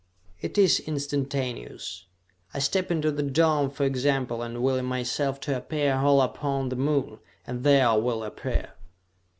It is instantaneous. I step into the dome, for example, and will myself to appear whole upon the Moon, and there I will appear!"